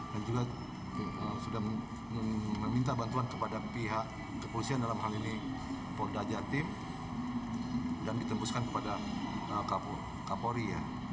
dan juga sudah meminta bantuan kepada pihak kepolisian dalam hal ini polda jatim dan ditembuskan kepada kapolri